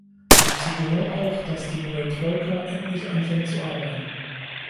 Dazu gehört auch, dass die neue Troika endlich anfängt zu arbeiten.